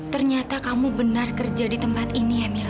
ternyata kamu benar kerja di tempat ini ya mila